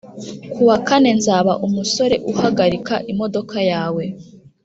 kuwakane nzaba umusore uhagarika imodoka yawe